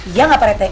iya gak pak reteh